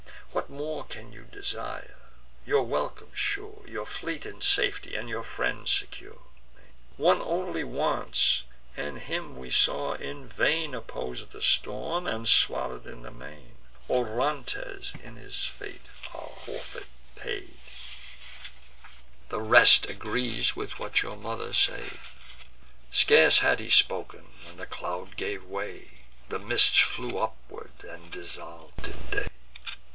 What more can you desire, your welcome sure, Your fleet in safety, and your friends secure? One only wants; and him we saw in vain Oppose the Storm, and swallow'd in the main. Orontes in his fate our forfeit paid; The rest agrees with what your mother said." Scarce had he spoken, when the cloud gave way, The mists flew upward and dissolv'd in day.